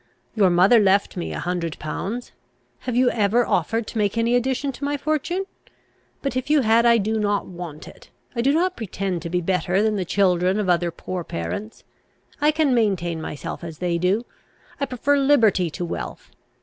Your mother left me a hundred pounds: have you ever offered to make any addition to my fortune? But, if you had, I do not want it. I do not pretend to be better than the children of other poor parents; I can maintain myself as they do. I prefer liberty to wealth.